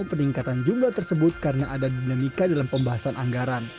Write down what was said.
peningkatan jumlah tersebut karena ada dinamika dalam pembahasan anggaran